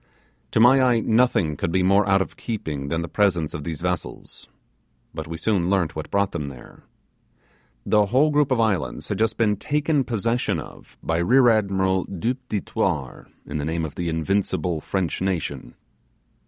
To my eye nothing could be more out of keeping than the presence of these vessels; but we soon learnt what brought them there. The whole group of islands had just been taken possession of by Rear Admiral Du Petit Thouars, in the name of the invincible French nation.